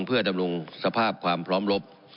เพื่อดำรงสภาพความพร้อมลบ